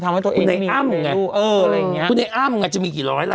คุณเอ้คุณเอ้มมึงจะมีกี่ร้อยละ